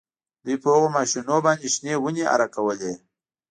دوی په هغو ماشینونو باندې شنې ونې اره کولې